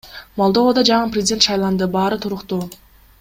Молдовада жаңы президент шайланды, баары туруктуу.